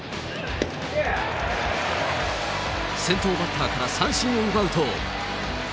先頭バッターから三振を奪うと。